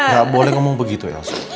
nggak boleh ngomong begitu elsa